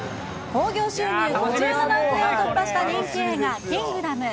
興行収入５７億円を突破した人気映画、キングダム。